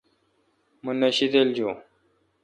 مہ نہ شیدل جون۔